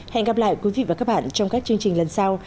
hẹn gặp lại quý vị và các bạn trong các chương trình lần sau